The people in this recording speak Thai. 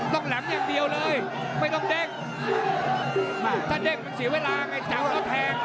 แหลมอย่างเดียวเลยไม่ต้องเด้งถ้าเด้งมันเสียเวลาไงจะเอาแล้วแทง